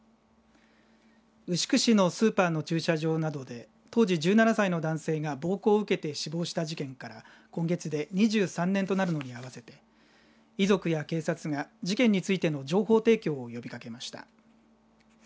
牛久市のスーパーの駐車場などで当時１７歳の男性が暴行を受けて死亡した事件から今月で２３年となるのに合わせて遺族や警察が事件についての情報提供を呼びかけました。